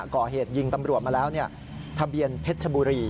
ก่อเหตุยิงตำรวจมาแล้วทะเบียนเพชรชบุรี